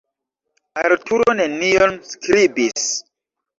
Arturo nenion skribis.